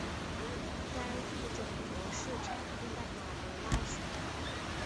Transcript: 该物种的模式产地在马德拉群岛。